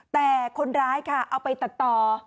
แต่คนร้ายค่ะเอาไปตัดต่อ